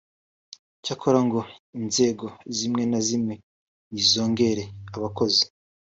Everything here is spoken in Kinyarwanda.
Cyakora ngo inzego zimwe na zimwe nizongere abakozi